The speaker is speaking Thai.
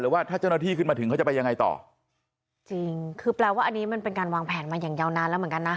ว่าถ้าเจ้าหน้าที่ขึ้นมาถึงเขาจะไปยังไงต่อจริงคือแปลว่าอันนี้มันเป็นการวางแผนมาอย่างยาวนานแล้วเหมือนกันนะ